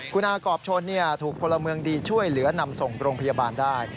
คุณอากรอบชนถูกพลเมืองดีช่วยเหลือนำส่งโรงพยาบาลได้